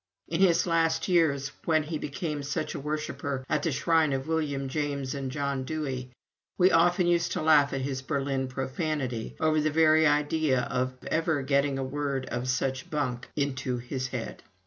In his last years, when he became such a worshiper at the shrine of William James and John Dewey, we often used to laugh at his Berlin profanity over the very idea of ever getting a word of such "bunk" into his head.